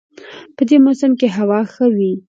په دې موسم کې هوا ښه وي